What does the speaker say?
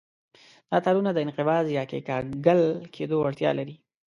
دا تارونه د انقباض یا کیکاږل کېدو وړتیا لري.